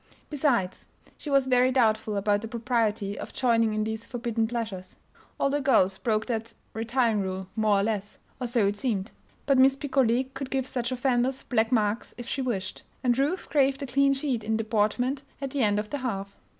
Besides, she was very doubtful about the propriety of joining in these forbidden pleasures. All the girls broke that retiring rule more or less or so it seemed. But Miss Picolet could give such offenders black marks if she wished, and Ruth craved a clean sheet in deportment at the end of the half.